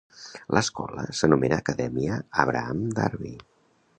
L'escola s'anomena Acadèmia Abraham Darby.